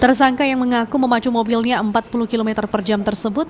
tersangka yang mengaku memacu mobilnya empat puluh km per jam tersebut